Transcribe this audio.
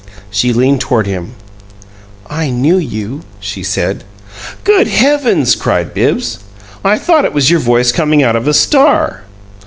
She leaned toward him. "I knew YOU!" she said. "Good heavens!" cried Bibbs. "I thought it was your voice coming out of a star!"